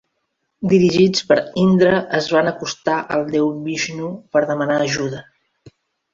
Dirigits per Indra, es van acostar al déu Vishnu per demanar ajuda.